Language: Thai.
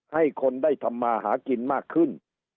ให้คนได้ทำมาหากินมากขึ้น